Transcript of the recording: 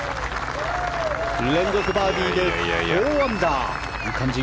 連続バーディーで４アンダー。